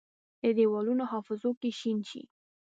د دیوالونو حافظو کې شین شي،